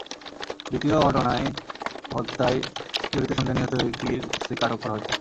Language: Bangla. দ্বিতীয় ঘটনায় হত্যায় জড়িত সন্দেহে নিহত ব্যক্তির স্ত্রীকে আটক করা হয়েছে।